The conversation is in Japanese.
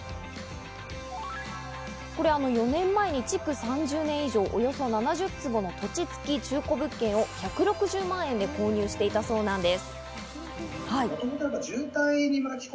これ４年前に築３０年以上、およそ７０坪の土地つき中古物件を１６０万円で購入していたそうなんです。